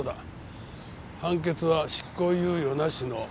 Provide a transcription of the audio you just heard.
判決は執行猶予なしの禁錮５年。